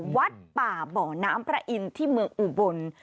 วัดป่าบ่อน้ำพระอินทร์ที่เมืองอุบล